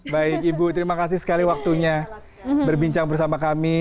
baik ibu terima kasih sekali waktunya berbincang bersama kami